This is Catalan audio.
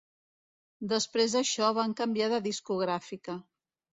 Després d'això van canviar de discogràfica.